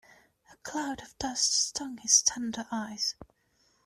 A cloud of dust stung his tender eyes.